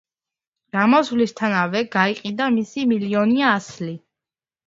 გამოსვლისთანავე გაიყიდა მისი მილიონი ასლი.